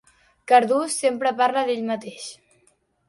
Cardús sempre parla d'ell mateix.